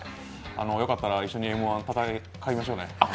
よかったら一緒に「Ｍ−１」で戦いましょうね。